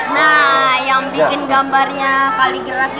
nah yang bikin gambarnya paling gelapnya